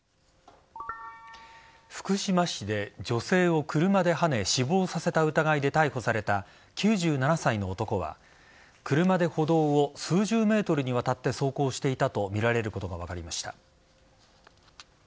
福島市で女性を車ではね死亡させた疑いで逮捕された９７歳の男は車で歩道を数十ｍにわたって走行していたとみられることが分かりました。